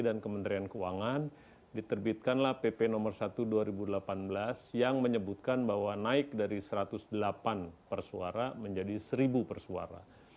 dan kementerian keuangan diterbitkanlah pp nomor satu dua ribu delapan belas yang menyebutkan bahwa naik dari satu ratus delapan persuara menjadi seribu persuara